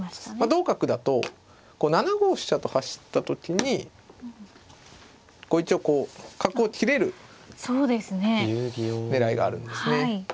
同角だと７五飛車と走った時に一応こう角を切れる狙いがあるんですね。